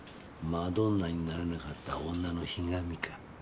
マドンナになれなかった女のひがみか？